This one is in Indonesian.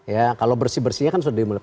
ya kalau bersih bersihnya kan sudah dimulai